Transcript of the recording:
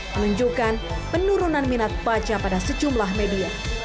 menunjukkan penurunan minat baca pada sejumlah media